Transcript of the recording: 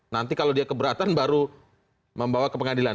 nanti kalau dia keberatan baru membawa ke pengadilan